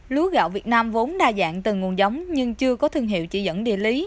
lúa gạo việt nam vốn đa dạng từ nguồn giống nhưng chưa có thương hiệu chỉ dẫn địa lý